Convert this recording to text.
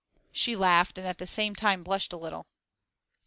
She laughed, and at the same time blushed a little.